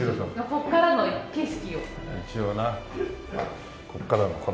ここからの景色。